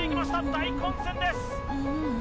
大混戦です